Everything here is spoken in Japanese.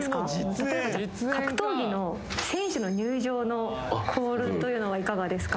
例えば格闘技の選手の入場のコールというのはいかがですか？